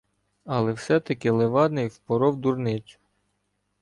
Але все-таки Левадний впоров дурницю.